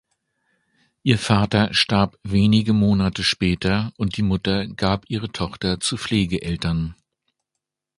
Ihr Vater starb wenige Monate später, und die Mutter gab ihre Tochter zu Pflegeeltern.